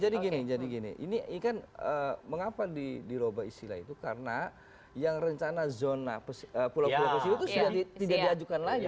jadi gini jadi gini ini kan mengapa diroba istilah itu karena yang rencana zona pulau pulau pesilu itu sudah tidak diajukan lagi